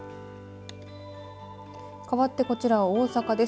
かわって、こちらは大阪です。